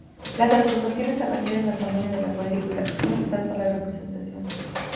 Las transformaciones se refieren al tamaño de la cuadrícula, no es tanto la representación.